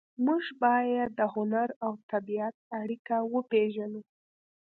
موږ باید د هنر او طبیعت اړیکه وپېژنو